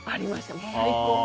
もう、最高。